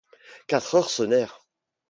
Quatre heures sonnèrent.